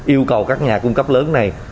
yêu cầu các nhà cung cấp lớn này